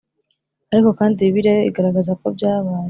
Ariko kandi Bibiliya yo igaragaza ko byabaye